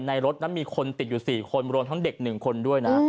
รถนั้นมีคนติดอยู่๔คนรวมทั้งเด็ก๑คนด้วยนะ